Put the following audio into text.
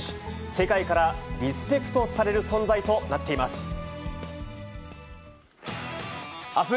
世界からリスペクトされる存在となっています。